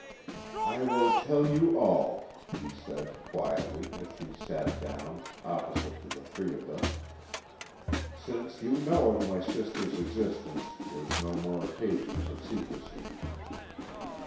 "I will tell you all," she said, quietly, as she sat down, opposite to the three of us. "Since you know of my sister's existence, there is no more occasion for secrecy."